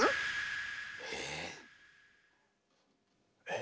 え？